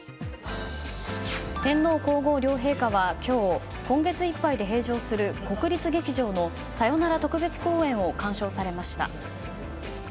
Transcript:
天皇・皇后両陛下は今日今月いっぱいで閉場する国立劇場の「さよなら特別公演」を鑑賞されました。